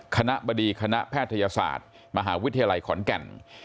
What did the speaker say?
คณะบดีคณะแพทยศาสตร์มหาวิทยาลัยขอนแก่น